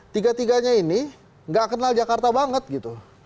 tiga tiganya ini nggak kenal jakarta banget gitu